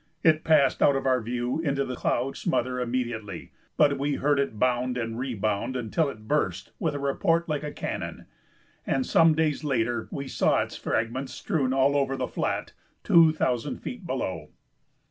It passed out of our view into the cloud smother immediately, but we heard it bound and rebound until it burst with a report like a cannon, and some days later we saw its fragments strewn all over the flat two thousand feet below.